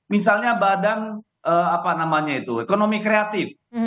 misalnya badan apa namanya itu ekonomi kreatif